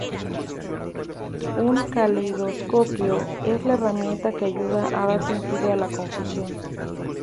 Un caleidoscopio es la herramienta que ayuda a dar sentido a la confusión.